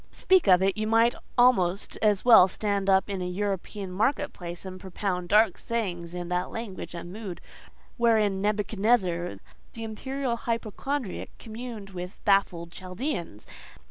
Speak of it! you might almost as well stand up in an European market place, and propound dark sayings in that language and mood wherein Nebuchadnezzar, the imperial hypochondriac, communed with his baffled Chaldeans.